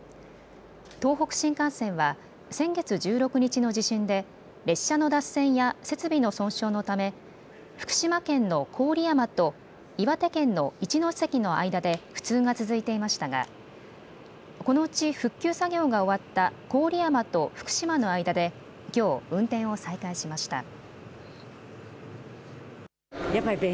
東北新幹線は先月１６日の地震で列車の脱線や設備の損傷のため福島県の郡山と岩手県の一ノ関の間で不通が続いていましたがこのうち復旧作業が終わった郡山と福島の間できょう、運転を再開しました。